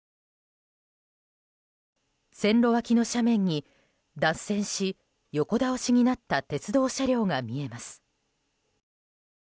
線路脇の斜面に脱線し、横倒しになった鉄道車両が見えます。